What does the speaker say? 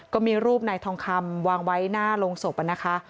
ก็มีรูปนายทองคำวางไว้หน้าโรงศพนะคะ